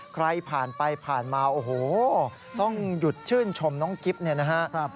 ใครผ่านไปผ่านมาโอ้โหต้องหยุดชื่นชมน้องกิ๊บเนี่ยนะฮะ